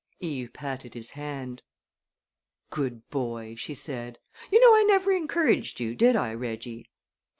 Eve patted his hand. "Good boy!" she said. "You know I never encouraged you did I, Reggie?'"